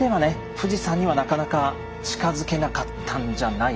富士山にはなかなか近づけなかったんじゃないかと。